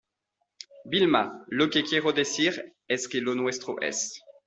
Vilma, lo que quiero decir es que lo nuestro es